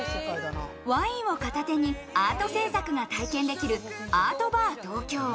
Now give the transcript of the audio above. ワインを片手にアート制作が体験できるアートバー東京。